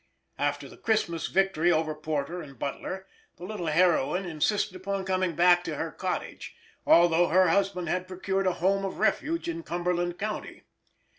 After the Christmas victory over Porter and Butler, the little heroine insisted upon coming back to her cottage, although her husband had procured a home of refuge in Cumberland county.